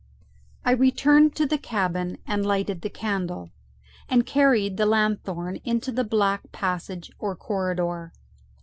I returned to the cabin and lighted the candle, and carried the lanthorn into the black passage or corridor.